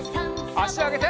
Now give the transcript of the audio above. あしあげて。